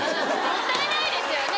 もったいないですよね